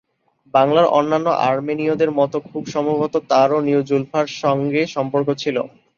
বাংলার অন্যান্য আর্মেনীয়দের মতো খুব সম্ভবত তারও নিউ জুলফার সঙ্গে সম্পর্ক ছিল।